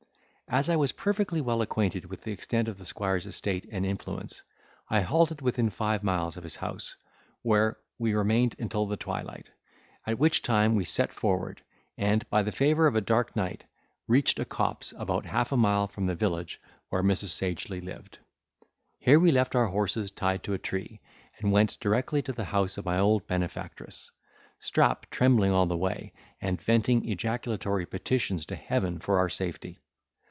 As I was perfectly well acquainted with the extent of the squire's estate and influence, I halted within five miles of his house, where we remained till the twilight, at which time we set forward, and, by the favour of a dark night, reached a copse about half a mile from the village where Mrs. Sagely lived. Here we left our horses tied to a tree, and went directly to the house of my old benefactress, Strap trembling all the way, and venting ejaculatory petitions to heaven for our safety.